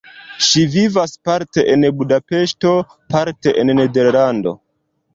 Ŝi vivas parte en Budapeŝto, parte en Nederlando.